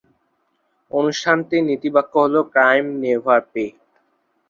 অনুষ্ঠানটির নীতিবাক্য হল ক্রাইম নেভার পে।